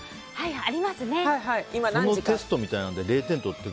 そのテストみたいなので０点取って。